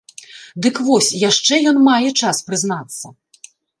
Дык вось, яшчэ ён мае час прызнацца.